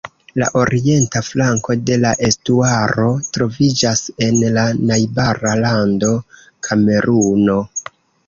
La orienta flanko de la estuaro troviĝas en la najbara lando, Kameruno.